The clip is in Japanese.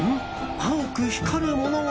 青く光るものが。